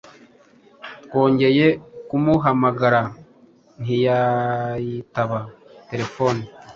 twongeye kumuhamagara ntiyitaba telefone